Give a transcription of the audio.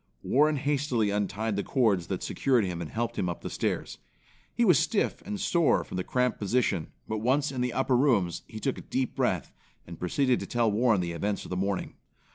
Warren hastily untied the cords that secured him and helped him up the stairs. He was stiff and sore from the cramped position, but once in the upper rooms, he took a deep breath, and proceeded to tell Warren the events of the morning.